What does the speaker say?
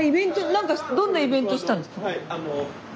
なんかどんなイベントしてたんですか？